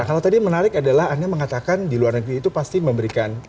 nah kalau tadi menarik adalah anda mengatakan di luar negeri itu pasti memberikan